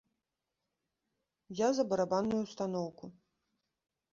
Я за барабанную ўстаноўку.